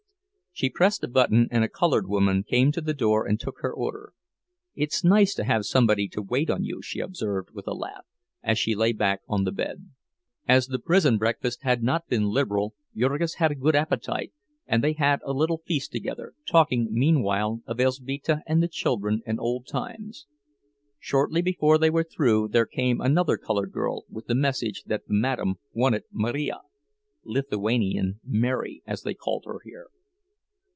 She pressed a button, and a colored woman came to the door and took her order. "It's nice to have somebody to wait on you," she observed, with a laugh, as she lay back on the bed. As the prison breakfast had not been liberal, Jurgis had a good appetite, and they had a little feast together, talking meanwhile of Elzbieta and the children and old times. Shortly before they were through, there came another colored girl, with the message that the "madame" wanted Marija—"Lithuanian Mary," as they called her here.